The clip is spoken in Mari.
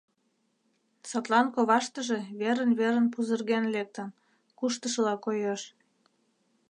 Садлан коваштыже верын-верын пузырген лектын, куштышыла коеш.